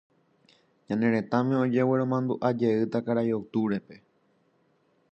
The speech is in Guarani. ñane retãme ojegueromandu'ajeýta Karai Octubre-pe